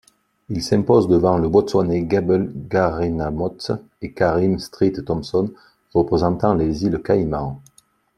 Il s'impose devant le Botswanais Gable Garenamotse et Kareem Streete-Thompson représentant les îles Caïmans.